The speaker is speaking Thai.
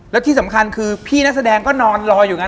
แล้วที่สำคัญคือพี่นักแสดงก็นอนรออยู่ไง